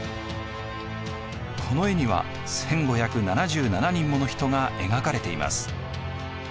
この絵には１，５７７人もの人が描かれています。